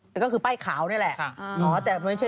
แต่ก็คือป้ายขาวนี่แหละ